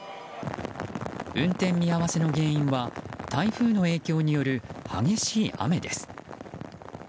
運転見合わせの原因は台風の影響による激しい雨です。